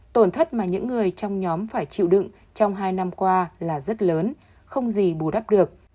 tổn thất mà những người trong nhóm phải chịu đựng trong hai năm qua là rất lớn không gì bù đắp được